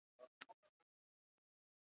تنور د افغان کلتور یو نه بېلېدونکی څپرکی دی